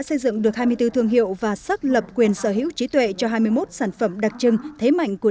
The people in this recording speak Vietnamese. xây dựng được hai mươi bốn thương hiệu và xác lập quyền sở hữu trí tuệ cho hai mươi một sản phẩm đặc trưng thế mạnh của